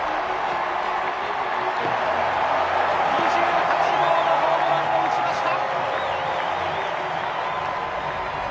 ２８号のホームランを打ちました。